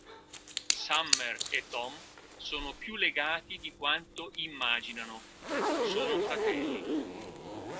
Summer e Tom sono più legati di quanto immaginano: sono fratelli.